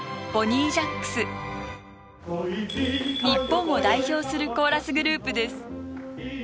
日本を代表するコーラスグループです。